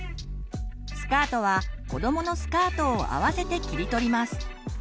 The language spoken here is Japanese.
スカートはこどものスカートを合わせて切り取ります。